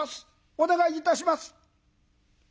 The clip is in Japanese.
お願いいたします」。